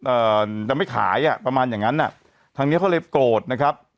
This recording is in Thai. เอ่อจะไม่ขายอ่ะประมาณอย่างงั้นอ่ะทางเนี้ยเขาเลยโกรธนะครับ